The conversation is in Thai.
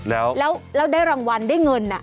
แล้วได้รางวัลได้เงิน